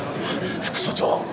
副署長。